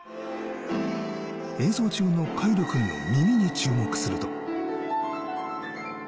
演奏中の凱成君の耳に注目すると。